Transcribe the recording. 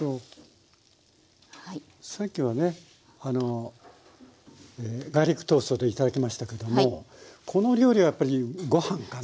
さっきはねガーリックトーストで頂きましたけどもこの料理はやっぱりご飯かな？